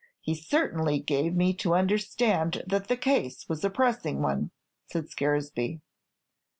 He certainly gave me to understand that the case was a pressing one," said Scaresby.